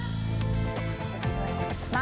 โอเคนะคะ